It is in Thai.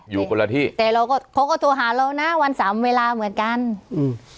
อยู่คนละที่แต่เราก็เขาก็โทรหาเรานะวันสามเวลาเหมือนกันอืม